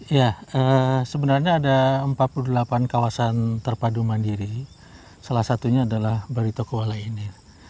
ya sebenarnya ada empat puluh delapan kawasan terpadu mandiri salah satunya adalah baritokualai ini